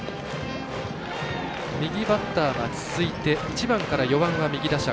右バッターが続いて１番から４番が右打者。